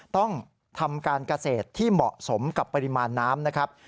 ต้องทำการเกษตรที่เหมาะสมกับปริมาณน้ำนะครับ